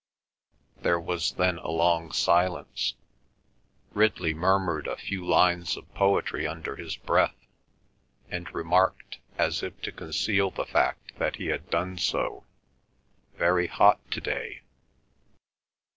There was then a long silence. Ridley murmured a few lines of poetry under his breath, and remarked, as if to conceal the fact that he had done so, "Very hot to day."